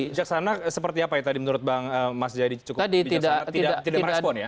bijaksana seperti apa ya tadi menurut bang mas jayadi cukup bijaksana tidak merespon ya